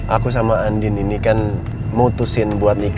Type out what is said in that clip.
aku sama andin ini kan mutusin buat nikah